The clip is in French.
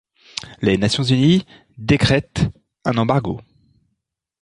Les Nations unies décrètent un embargo.